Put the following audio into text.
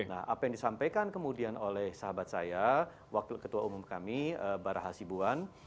nah apa yang disampaikan kemudian oleh sahabat saya wakil ketua umum kami barah hasibuan